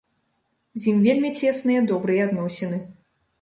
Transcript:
З ім вельмі цесныя добрыя адносіны.